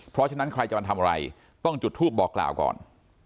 เพราะฉะนั้นใครจะมาทำอะไรต้องจุดทูปบอกกล่าวก่อน